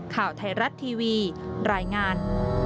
ข่าวไทยรัฐทีวีรายงาน